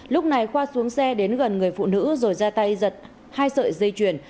lúc này khoa xuống xe đến gần người phụ nữ rồi ra tay giật hai sợi dây chuyền